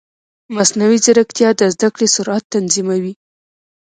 مصنوعي ځیرکتیا د زده کړې سرعت تنظیموي.